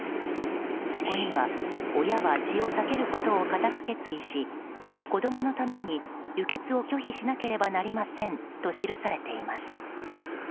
そこには、親は血を避けることを固く決意し子供のために輸血を拒否しなければなりませんと記されています。